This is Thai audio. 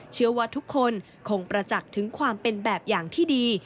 เชื่อว่าทุกคนคงประจักษ์ถึงความเป็นแบบอย่างที่ดี